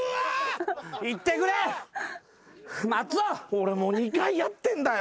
俺もう２回やってんだよ。